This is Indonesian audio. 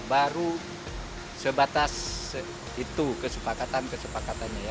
baru sebatas itu kesepakatan kesepakatannya ya